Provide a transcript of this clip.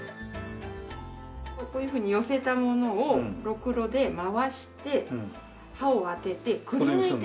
こういうふうに寄せたものをろくろで回して刃を当ててくりぬいて。